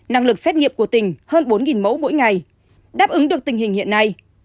năng lực xét nghiệm của tỉnh hơn bốn mẫu mỗi ngày đáp ứng được tình hình hiện nay